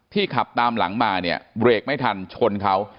ขับตามหลังมาเนี่ยเบรกไม่ทันชนเขา